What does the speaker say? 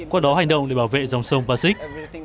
qua đó hành động để bảo vệ dòng sông passic